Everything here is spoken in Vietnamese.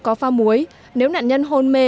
có pha muối nếu nạn nhân hôn mê